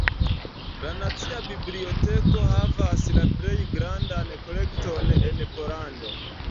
La Nacia Biblioteko havas la plej grandan kolekton en Pollando.